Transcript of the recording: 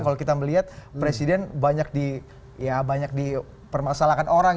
kalau kita melihat presiden banyak dipermasalahkan orang